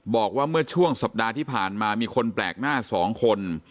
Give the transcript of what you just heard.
บอกว่าเมื่อช่วงสัปดาห์ที่ผ่านมามีคนแปลกหน้า๒คน